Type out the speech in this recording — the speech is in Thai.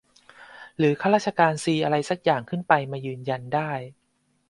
หรือข้าราชการซีอะไรซักอย่างขึ้นไปมายืนยันได้